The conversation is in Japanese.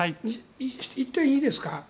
１点いいですか。